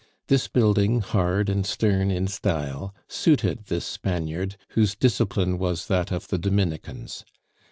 This building, hard and stern in style, suited this Spaniard, whose discipline was that of the Dominicans.